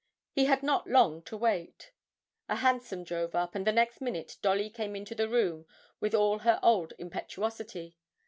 He had not long to wait. A hansom drove up, and the next minute Dolly came into the room with all her old impetuosity.